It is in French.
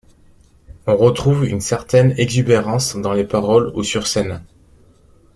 On retrouve une certaine exubérance, dans les paroles ou sur scène.